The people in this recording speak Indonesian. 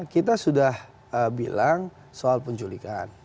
kita sudah bilang soal penculikan